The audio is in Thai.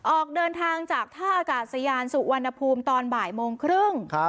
ออกเดินทางจากท่าอากาศยานสุวรรณภูมิตอนบ่ายโมงครึ่ง